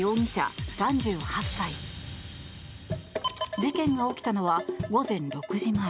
事件が起きたのは午前６時前。